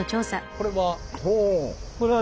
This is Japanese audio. これは？